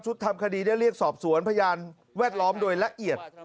ทำคดีได้เรียกสอบสวนพยานแวดล้อมโดยละเอียด